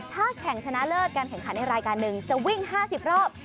ถ้าแข่งชนะเลิศการแข่งขันในรายการหนึ่งจะวิ่ง๕๐รอบ